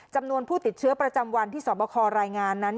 จำนวนผู้ติดเชื้อประจำวันที่สอบคอรายงานนั้น